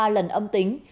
ba lần âm tính